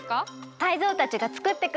タイゾウたちがつくってくれてるの！